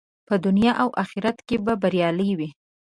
په دنیا او آخرت کې به بریالی وي.